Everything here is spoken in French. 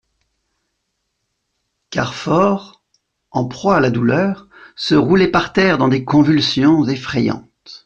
Carfor, en proie à la douleur, se roulait par terre dans des convulsions effrayantes.